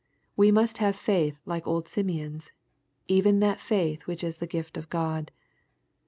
We most have faith like old Simeon's, even that fiiith which is the gift of God.